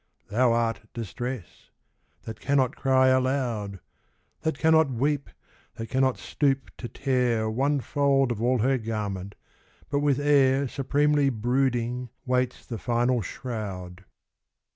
Thou art Distress — ^that cannot cry alou<^ That cannot weep, that cannot stoop to tear One fold of all her garment, but with air Supremely brooding waits the final shroud